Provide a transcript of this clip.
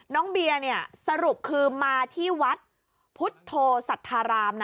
น้องเบียร์สรุปคือมาที่วัดพุทธโธสัทธาราม